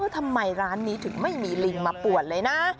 ทำไมร้านนี้ถึงไม่มีลิงมาป่วนเลยนะ